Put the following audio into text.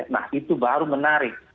nah itu baru menarik